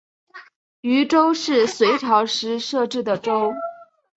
渝州是隋朝时设置的州。